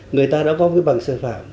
người ta đã có cái bằng sư phạm